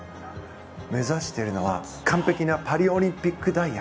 目指しているのは完璧なパリオリンピックダイヤ。